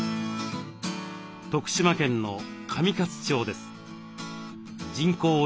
徳島県の上勝町です。